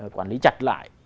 quản lý chặt lại